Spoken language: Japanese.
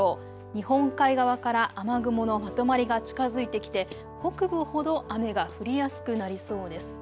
日本海側から雨雲のまとまりが近づいてきて北部ほど雨が降りやすくなりそうです。